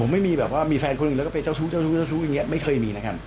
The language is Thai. ผมไม่มีแบบว่ามีแฟนคนอื่นแล้วก็ไปเจ้าชู้อย่างเงี้ยไม่เคยมีนะครับ